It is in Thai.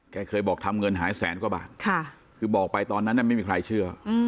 เคยบอกทำเงินหายแสนกว่าบาทคือบอกไปตอนนั้นไม่มีใครเชื่อ